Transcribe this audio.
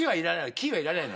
「キ」はいらないの。